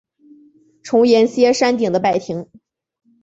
重檐歇山顶的拜亭。